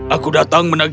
aku datang menagihkanmu